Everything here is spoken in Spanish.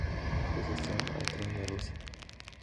Sucesión al trono de Rusia